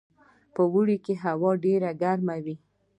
په اوړي کې هوا ډیره ګرمه وي